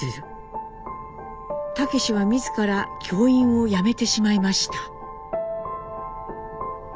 武は自ら教員を辞めてしまいました。